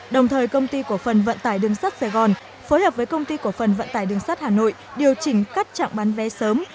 đồng thời công ty cổ phần vận tải đường sắt sài gòn phối hợp với công ty cổ phần vận tải đường sắt hà nội điều chỉnh các trạng bán vé sớm